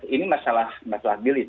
ini masalah belief